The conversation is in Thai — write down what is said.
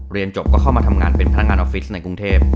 เรียนจบก็เข้ามาทำงานเป็นพนักงานออฟฟิศในกรุงเทพ